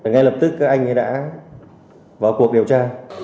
ngay lập tức các anh đã vào cuộc điều tra